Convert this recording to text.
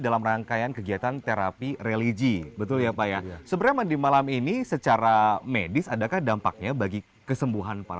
lama kelamaan dia akan nyambung